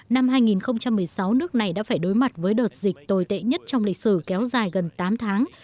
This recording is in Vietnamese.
năm hai nghìn một mươi sáu nước này đã phải đối mặt với đợt dịch tồi tệ nhất trong lịch sử kéo dài gần tám tháng